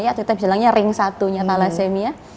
atau kita bisa bilangnya ring satunya tala semia